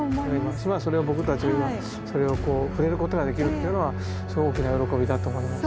それを僕たちは今それをこう触れることができるっていうのはすごく大きな喜びだと思います。